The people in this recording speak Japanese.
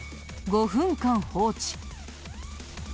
５分間放置。